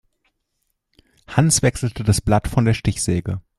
Hans wechselte das Blatt von der Stichsäge.